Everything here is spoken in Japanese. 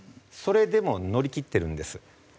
それでも乗り切ってるんです。